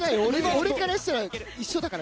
俺からしたら一緒だから。